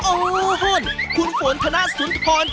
โอ้ฮ่นคุณฝนธนาศุนย์ธรรม